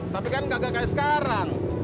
tapi kan gagal kayak sekarang